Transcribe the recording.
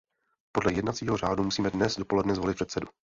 Podle jednacího řádu musíme dnes dopoledne zvolit předsedu.